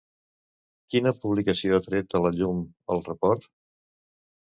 Quina publicació ha tret a la llum el report?